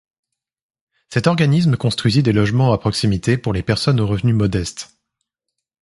Cet organisme construisit des logements à proximité pour les personnes aux revenus modestes.